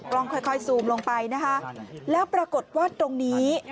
ลองค่อยซูมลงไปนะคะแล้วปรากฏว่าตรงนี้